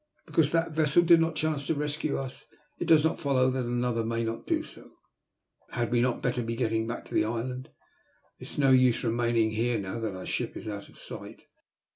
Because that vessel did not chance to rescue us it does not follow that another may not do so. Had we not better be getting back to the island ? It is no use our remaining here now that the ship is out of sight."